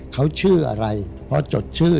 เขาชื่ออะไรพอจดชื่อ